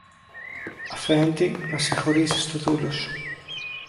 Αφέντη, να συγχωρήσεις το δούλο σου.